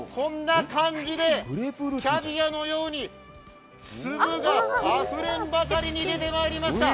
こんな感じでキャビアのように粒があふれんばかりに出てまいりました。